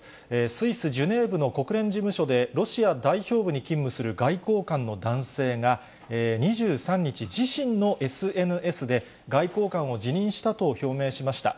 スイス・ジュネーブの国連事務所で、ロシア代表部に勤務する外交官の男性が、２３日、自身のＳＮＳで、外交官を辞任したと表明しました。